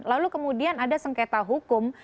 lalu kemudian ada sengketa hukum